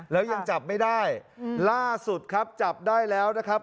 แล้วยังจับไม่ได้ล่าสุดครับจับได้แล้วนะครับ